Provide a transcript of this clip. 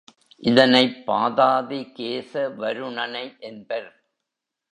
இதனைப் பாதாதி கேசவருணனை என்பர்.